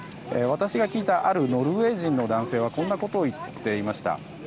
私が聞いたあるノルウェー人の男性はこんなことを言っていました。